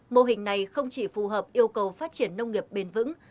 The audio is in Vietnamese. mô hình này không chỉ phù hợp yêu cầu phát triển nông nghiệp bền vững